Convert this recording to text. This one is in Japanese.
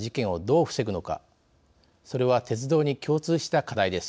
それは鉄道に共通した課題です。